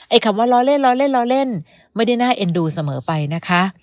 คำว่าล้อเล่นล้อเล่นล้อเล่นไม่ได้น่าเอ็นดูเสมอไปนะคะ